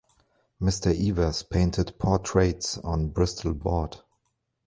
Mr. Evers painted portraits on Bristol Board.